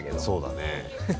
そうだね。